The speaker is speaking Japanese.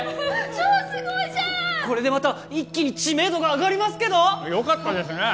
超すごいじゃんこれでまた一気に知名度が上がりますけどよかったですね